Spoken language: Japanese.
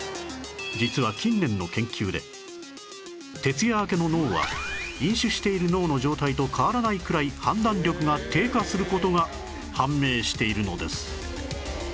徹夜明けの脳は飲酒している脳の状態と変わらないくらい判断力が低下する事が判明しているのです